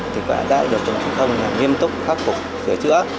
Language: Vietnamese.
thì quả đã được đồng chí không nghiêm túc khắc phục sửa chữa